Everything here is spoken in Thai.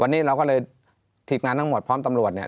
วันนี้เราก็เลยทีมงานทั้งหมดพร้อมตำรวจเนี่ย